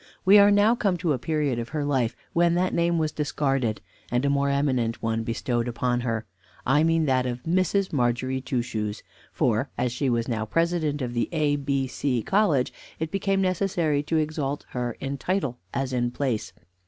We are now come to a period of her life when that name was discarded, and a more eminent one bestowed upon her; I mean that of MRS. MARGERY TWO SHOES; for as she was now president of the A, B, C college, it became necessary to exalt her in title as in place.